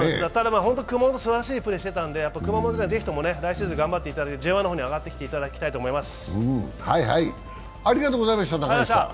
熊本とすばらしいプレーしてたんで、熊本にはぜひとも来シーズン頑張っていただいてＪ１の方に上がってきていただきたいと思います。